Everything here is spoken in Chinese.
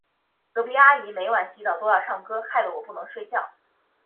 隔壁阿姨每晚洗澡都要唱歌，害得我不能睡觉。